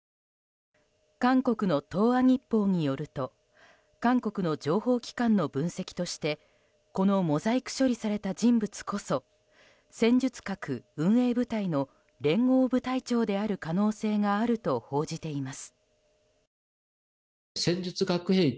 韓国の東亜日報によると韓国の情報機関の分析としてこのモザイク処理された人物こそ戦術核運営部隊の連合部隊長である可能性があると報じています。